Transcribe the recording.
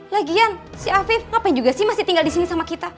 lagian si afif ngapain juga sih masih tinggal di sini sama kita